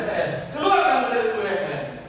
keluar kamu dari ufm